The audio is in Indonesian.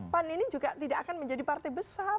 pan ini juga tidak akan menjadi partai besar